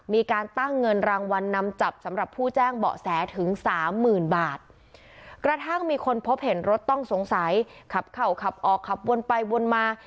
มีการตั้งเงินรางวัลนำจับสำหรับผู้แจ้งเบาะแสถึงสามหมื่นบาทกระทั่งมีคนพบเห็นรถต้องสงสัยขับเข่าขับออกขับวนไปวนมา